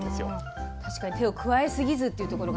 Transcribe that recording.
確かに手を加えすぎずっていうところが。